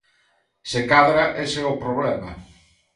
Se cadra, ese é o problema.